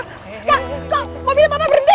engga kok mobilnya papa berhenti